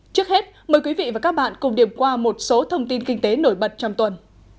trước hết mời quý vị và các bạn cùng điểm qua một số thông tin kinh tế nổi bật trong tuần